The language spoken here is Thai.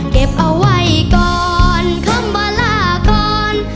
เก็บเอาไว้ก่อนคำว่าลาก่อน